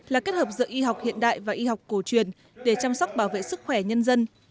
là kết hợp giữa y học hiện đại và y học cổ truyền để chăm sóc bảo vệ sức khỏe nhân dân